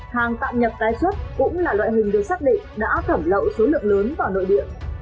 hàng tạm nhập tái xuất cũng là loại hình được xác định đã thẩm lậu số lượng lớn vào nội địa